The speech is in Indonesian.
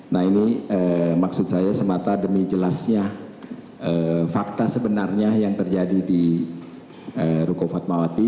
nah ini maksud saya semata demi jelasnya fakta sebenarnya yang terjadi di ruko fatmawati